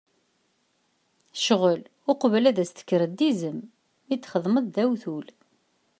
Ccɣel, uqbel ad as-tekkreḍ, d izem! Mi t-txedmeḍ, d awtul.